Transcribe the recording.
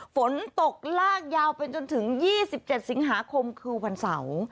ฝนตกลากยาวไปจนถึง๒๗สิงหาคมคือวันเสาร์